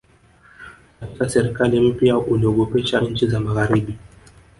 katika serikali mpya uliogopesha nchi za magharibi